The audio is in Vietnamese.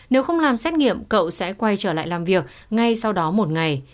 nếu không làm xét nghiệm cậu sẽ quay trở lại làm việc ngay sau đó một ngày